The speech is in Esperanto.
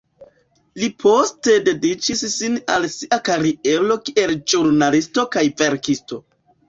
Li poste dediĉis sin al sia kariero kiel ĵurnalisto kaj verkisto.